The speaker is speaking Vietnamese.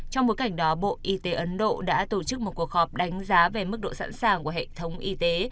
thành đó bộ y tế ấn độ đã tổ chức một cuộc họp đánh giá về mức độ sẵn sàng của hệ thống y tế